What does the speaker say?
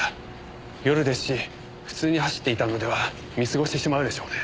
夜ですし普通に走っていたのでは見過ごしてしまうでしょうね。